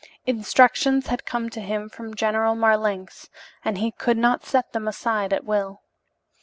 Instructions had come to him from General Marlanx, and he could not set them aside at will.